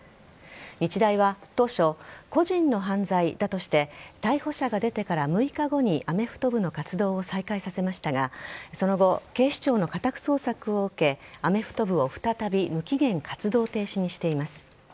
日大は当初、個人の犯罪だとして逮捕者が出てから６日後にアメフト部の活動を再開させましたがその後、警視庁の家宅捜索を受けアメフト部を再び無期限活動停止にしています。